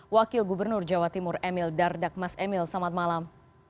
wakil gubernur jawa timur emil dardak mas emil selamat malam